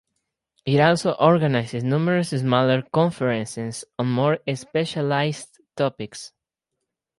It also organizes numerous smaller conferences on more specialized topics.